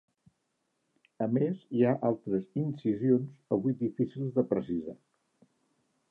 A més, hi ha altres incisions avui difícils de precisar.